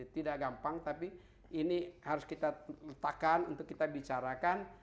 tidak gampang tapi ini harus kita letakkan untuk kita bicarakan